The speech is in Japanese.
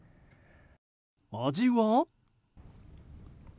味は。